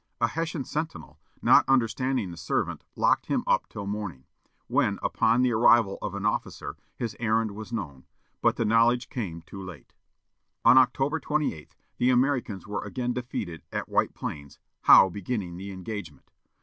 A Hessian sentinel, not understanding the servant, locked him up till morning, when, upon the arrival of an officer, his errand was known; but the knowledge came too late! On October 28, the Americans were again defeated, at White Plains, Howe beginning the engagement.